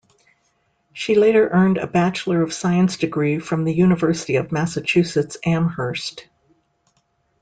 She later earned a Bachelor of Science degree from the University of Massachusetts Amherst.